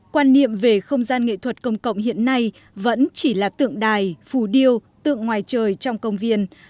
quan niệm về không gian nghệ thuật công cộng hiện nay vẫn chỉ là tượng đài phù điêu tượng ngoài trời trong công viên